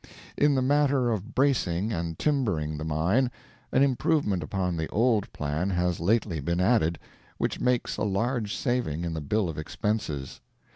In the matter of bracing and timbering the mine, an improvement upon the old plan has lately been added, which makes a large saving in the bill of expenses.